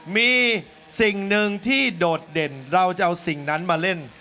มีสิ่งหนึ่งที่โดดเด่นเราจะเอาสิ่งนั้นมาเล่น